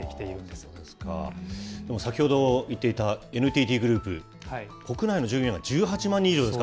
そうですか、先ほど言っていたＮＴＴグループ、国内の従業員が１８万人以上ですか。